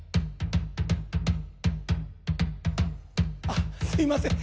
あすいません。